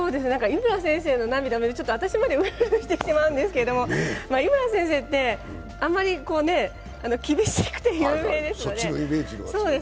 井村先生の涙を見ると私までうるうるしてしまうんですけど、井村先生って、厳しくて有名ですよね。